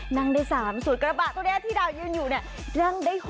นั่งได้๓ส่วนกระปะตัวแดดที่ดาวยืนอยู่นั่งได้๖